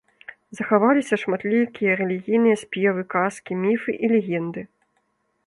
Захаваліся шматлікія рэлігійныя спевы, казкі, міфы і легенды.